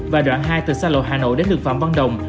và đoạn hai từ xa lộ hà nội đến đường phạm văn đồng